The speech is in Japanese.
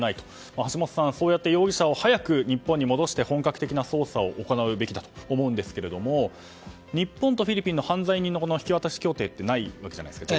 橋下さん、そうやって容疑者を早く日本に戻し本格的な捜査を行うべきだと思いますが日本とフィリピンの犯罪人の引き渡し協定ってないわけじゃないですか。